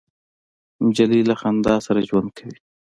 نجلۍ له خندا سره ژوند کوي.